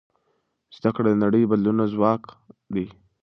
زده کړه د نړۍ د بدلولو ځواک دی.